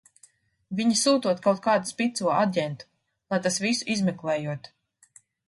Viņi sūtot kaut kādu spico aģentu, lai tas visu izmeklējot!